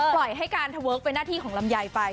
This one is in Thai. ปล่อยให้การทะเวิร์คเป็นหน้าที่ของลำไยไป